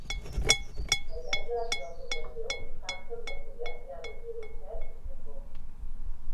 Al llarg de la seva formació, Hanson va estudiar piano, violoncel i trombó.